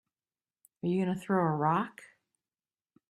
Are you gonna throw a rock?